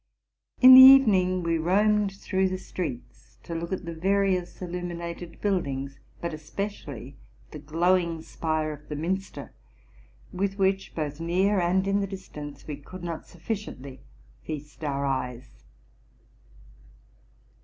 In the evening we roamed through the streets to look at the various illuminated buildings, but especially the glowing spire of the minster, with which, both near and in the distance, we could not sufficiently feast our eyes.